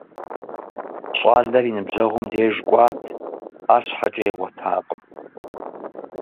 ЩӀалэр и ныбжьэгъум деж кӀуат, арщхьэкӀэ игъуэтакъым.